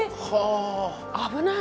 え危ない。